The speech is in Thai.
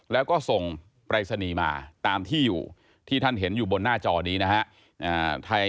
แล้วก็ส่งปรายศนีย์มาตามที่อยู่ที่ท่านเห็นอยู่บนหน้าจอนี้นะฮะ